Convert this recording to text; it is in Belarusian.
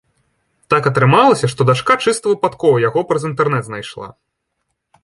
Так атрымалася, што дачка чыста выпадкова яго праз інтэрнэт знайшла.